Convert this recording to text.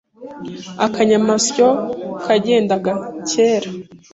Akanyamasyo kagendaga kera